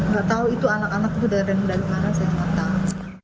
gak tau itu anak anak udah dari mana saya gak tau